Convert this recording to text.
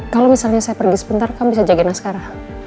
kalau misalnya saya pergi sebentar kamu bisa jagain askara